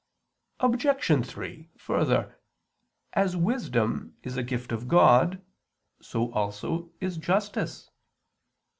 Obj. 3: Further, as wisdom is a gift of God, so also is justice.